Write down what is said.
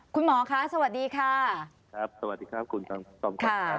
คุณหมอคะสวัสดีค่ะครับสวัสดีครับคุณค่ะ